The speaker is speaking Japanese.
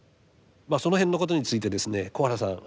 その辺のことについてですね小原さん